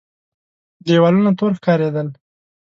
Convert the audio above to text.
دېوالونه تور ښکارېدل.